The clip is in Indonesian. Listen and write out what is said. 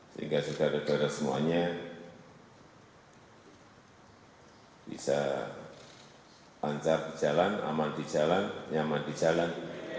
sehingga saudara saudara semuanya bisa lancar di jalan aman di jalan nyaman di jalan